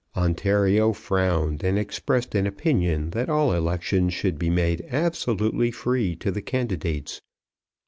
Ontario frowned and expressed an opinion that all elections should be made absolutely free to the candidates.